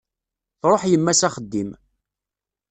Truḥ yemma s axeddim.